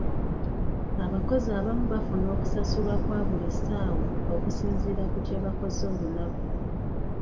Abakozi abamu bafuna okusasulwa kwa buli ssaawa okusinziira ku kye bakoze olunaku..